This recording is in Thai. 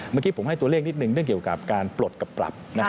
เมื่อกี้ผมให้ตัวเลขนิดนึงเรื่องเกี่ยวกับการปลดกับปรับ